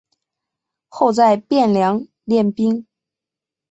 后在汴梁练兵。